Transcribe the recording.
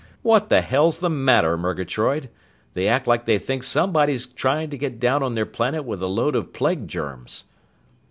What the hell's the matter, Murgatroyd? They act like they think somebody's trying to get down on their planet with a load of plague germs!"